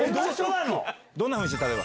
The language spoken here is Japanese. どんなふうにして例えば？